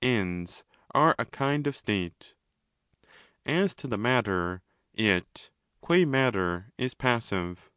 fends') are a kind of 'state'. As to the ' matter', it (gva matter) is passive.